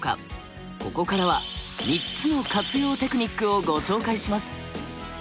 ここからは３つの活用テクニックをご紹介します。